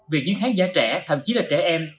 việc những khán giả trẻ thậm chí là trẻ em